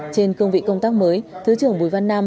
trên cương vị công tác mới thứ trưởng bùi văn nam